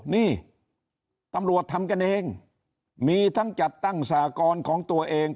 นี่ตำรวจทำกันเองมีทั้งจัดตั้งสากรของตัวเอง